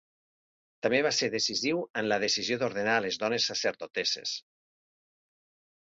També va ser decisiu en la decisió d'ordenar a les dones sacerdotesses.